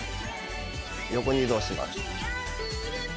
横に移動します。